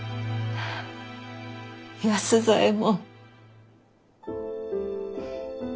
安左衛門。